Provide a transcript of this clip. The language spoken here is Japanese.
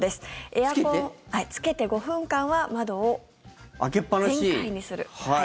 エアコンをつけて５分間は窓を全開にする。